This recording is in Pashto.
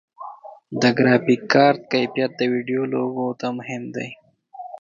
د ګرافیک کارت کیفیت د ویډیو لوبو ته مهم دی.